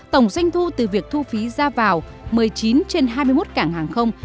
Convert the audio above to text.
tổng doanh thu từ việc thu phí ra vào một mươi chín trên hai mươi một cảng hàng không